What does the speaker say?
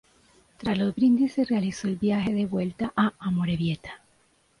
Tras los brindis se realizó el viaje de vuelta a Amorebieta.